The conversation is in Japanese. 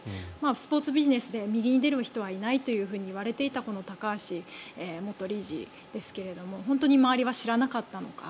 スポーツビジネスで右に出る人はいないといわれていたこの高橋元理事ですが本当に周りは知らなかったのか。